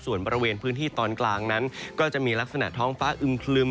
ส่วนบริเวณพื้นที่ตอนกลางนั้นก็จะมีลักษณะท้องฟ้าอึมคลึม